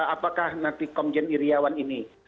apakah nanti komjen iryawan ini